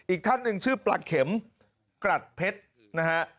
อีกท่านหนึ่งชื่อปลาเข็มกรัดเพชรนะฮะ